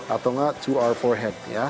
atau enggak to our forehead ya